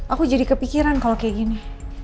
aku jadi kepikiran kalau kayak gini